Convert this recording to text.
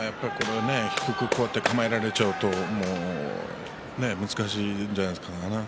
低く構えられちゃうと難しいんじゃないかな。